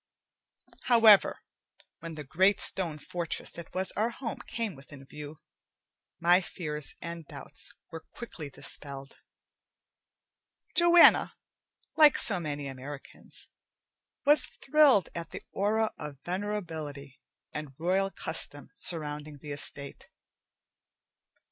However, when the great stone fortress that was our home came within view, my fears and doubts were quickly dispelled. Joanna, like so many Americans, was thrilled at the aura of venerability and royal custom surrounding the estate.